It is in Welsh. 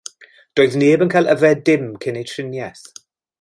Doedd neb yn cael yfed dim cyn eu triniaeth.